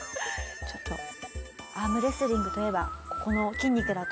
ちょっとアームレスリングといえばここの筋肉だと思うので。